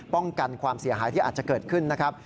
ป้องกันความเสียหายที่อาจจะเกิดขึ้นนะครับ